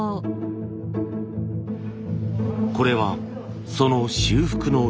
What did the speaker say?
これはその修復の様子。